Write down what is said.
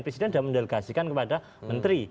presiden sudah mendelegasikan kepada menteri